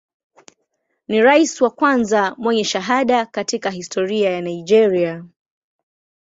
Ni rais wa kwanza mwenye shahada katika historia ya Nigeria.